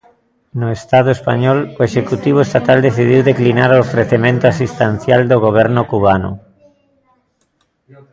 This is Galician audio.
No Estado español, o Executivo estatal decidiu declinar o ofrecemento asistencial do Goberno cubano.